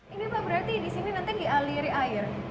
ini pak berarti disini nanti dialiri air